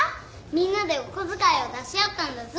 みんなでお小遣いを出し合ったんだぞ。